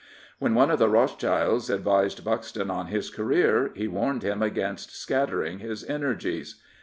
When one of the Rothschilds advised Buxton on his career, he warned him against scattering his energies.